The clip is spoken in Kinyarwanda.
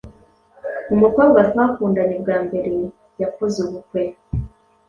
Umukobwa twakundaye bwambere yakoze ubukwe